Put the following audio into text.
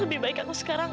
lebih baik aku sekarang